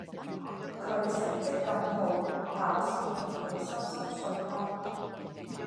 佢成績咁好，考試對佢濕濕碎啦